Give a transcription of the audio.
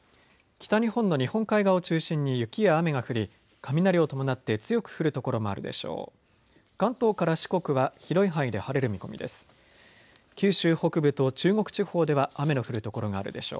北日本の日本海側を中心に雪や雨が降り雷を伴って強く降る所もあるでしょう。